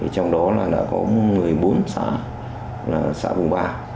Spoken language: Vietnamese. trong đó là có một mươi bốn xã xã vùng ba